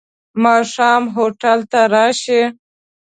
ماښام هوټل ته راشې.